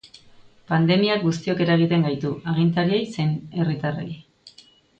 Pandemiak guztiok eragiten gaitu, agintariei zein herritarrei.